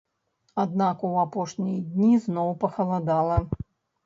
Аднак у апошнія дні зноў пахаладала.